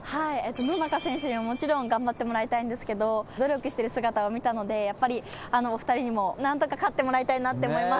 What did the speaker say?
野中選手にはもちろん頑張ってもらいたいんですけど、努力してる姿を見たので、やっぱり、お２人にも、なんとか勝ってもらいたいなと思います。